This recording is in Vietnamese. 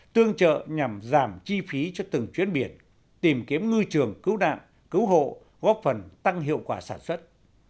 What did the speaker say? tương trợ nhằm giảm chi phí cho từng chuyến biển tìm kiếm ngư trường cứu nạn cứu hộ góp phần tăng hiệu quả sản xuất